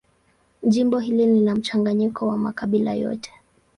Jimbo hili lina mchanganyiko wa makabila yote.